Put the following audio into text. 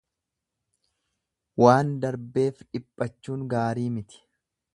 Waan darbeef dhiphachuun gaarii miti.